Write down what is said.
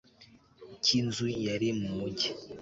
cy inzu yari mu mugi